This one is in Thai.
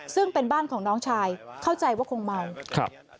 ซึ่งเป็นบ้านของน้องชายเข้าใจว่าคงเมาครับ